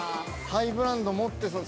ハイブランド持ってそうな。